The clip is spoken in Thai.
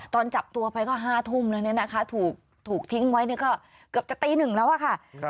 ตอนจับตัวไปก็๕ทุ่มแล้วเนี่ยนะคะถูกทิ้งไว้ก็เกือบจะตีหนึ่งแล้วอะค่ะ